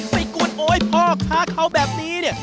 ไปกวนโอเพราะค้าเขาแบบนี้เนี่ย